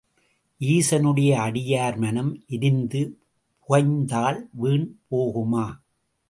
ஈசனுடைய அடியார் மனம் எரிந்து புகைந்தால் வீண் போகுமா?